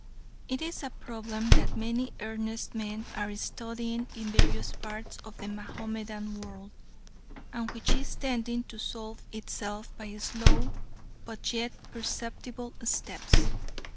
It is a problem that many earnest men are studying in various parts of the Mahomedan world, and which is tending to solve itself by slow but yet perceptible steps.